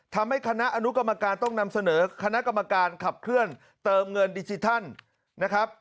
ทำให้คณะอนุกรรมการต้องนำเสนอคณะกรรมการขับเคลื่อนเติมเงินดิจิทัลนะครับ